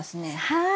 はい。